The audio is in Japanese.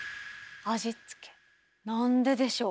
味付けなんででしょう？